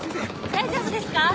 大丈夫ですか？